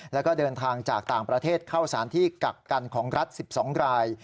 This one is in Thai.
แล้วก็เดินทางจากต่างประเทศเข้าสารที่กักกันของรัฐ๑๒ราย